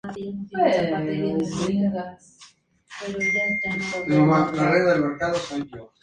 Milano: McGraw-Hill Libri Italia.